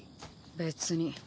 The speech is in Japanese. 別に。